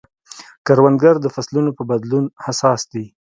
کروندګر د فصلونو په بدلون حساس دی